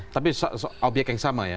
tapi obyek yang sama ya